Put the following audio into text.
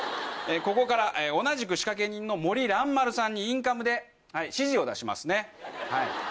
ここから同じく仕掛け人の森蘭丸さんにインカムで指示を出しますね。